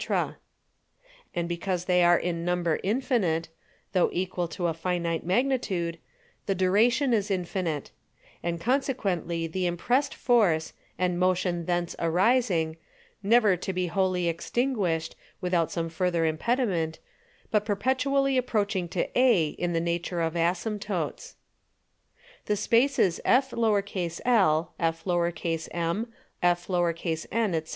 _ 16. And because they are in Number infinite (though equal to a finite Magnitude) the Duration is infinite: And consequently the impressed Force, and Motion thence arising, never to be wholly extinguished (without some further Impediment) but perpetually approaching to A, in the Nature of Asymptotes. 17. The Spaces Fl, Fm, Fn, &c.